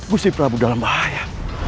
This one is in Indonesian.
gustri prabu dalam bahaya